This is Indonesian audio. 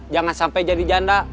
jangan sampai jadi janda